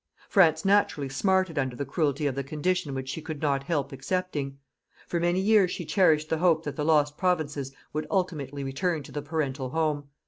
France naturally smarted under the cruelty of the condition which she could not help accepting. For many years she cherished the hope that the lost provinces would ultimately return to the parental home.